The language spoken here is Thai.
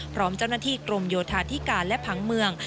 พร้อมเจ้าหน้าที่กรมโยธาธิการและผังเมือง